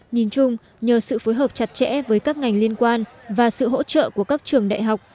nhìn chung nhờ sự phối hợp chặt chẽ với các ngành liên quan và sự hỗ trợ của các trường đại học